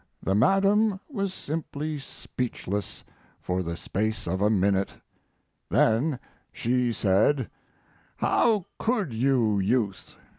the madam was simply speechless for the space of a minute. Then she said: "How could you, Youth!